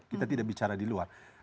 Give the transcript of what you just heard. kita tidak bicara di luar